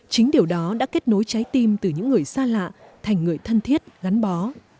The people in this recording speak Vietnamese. chính điều đó đã kết nối trái tim từ những người xa lạ thành người thân thiết gắn bó